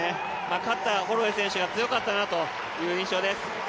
勝ったホロウェイ選手が強かったなという印象です。